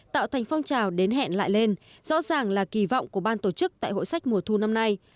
tạo thành phong trào đến hẹn lại lên rõ ràng là kỳ vọng của ban tổ chức tại hội sách mùa thu năm nay